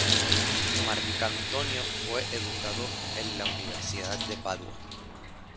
Marcantonio fue educado en la Universidad de Padua.